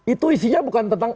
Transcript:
itu isinya bukan tentang